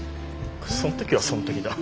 そん時はそん時だ